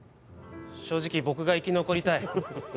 正直僕が生き残りたい